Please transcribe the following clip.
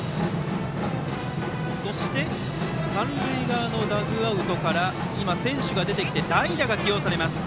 そして三塁側のダッグアウトから選手が出てきて代打が起用されます。